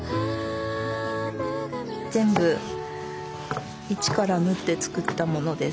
全部一から縫って作ったものです。